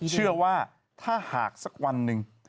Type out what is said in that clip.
เชื่อว่าถ้าหากสักวันหนึ่ง